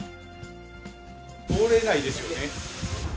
通れないですよね。